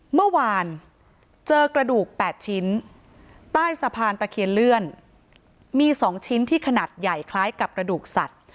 เมื่อวานเจอกระดูก๘ชิ้นใต้สะพานตะเคียนเลื่อนมี๒ชิ้นที่ขนาดใหญ่คล้ายกับกระดูกสัตว์